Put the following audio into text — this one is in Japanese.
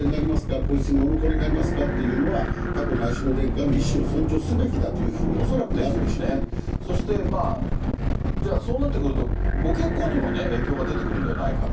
皇室にお残りになりますか？というのは、佳子内親王殿下の意思を尊重すべきだというふうに、そしてまあ、じゃあそうなってくると、ご結婚にもね、影響が出てくるんではないかと。